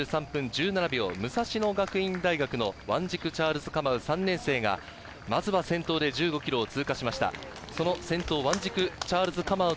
武蔵野学院大学のワンジク・チャールズ・カマウ、３年生がまずは先頭で１５ｋｍを通過しました。